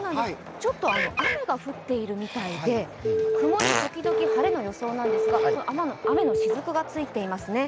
雨が降っているみたいで曇り時々晴れの予想なんですが雨のしずくがついてますね。